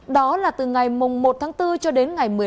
đó là từ ngày một tháng bốn cho đến ngày một mươi năm